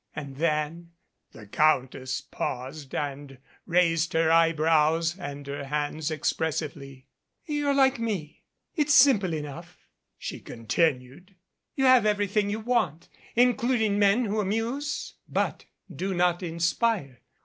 And then " the Countess paused and raised her eyebrows and her hands express ively. "You're like me. It's simple enough," she con tinued. "You have everything you want, including men who amuse but do not inspire.